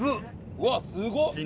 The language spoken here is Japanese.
うわっすごっ！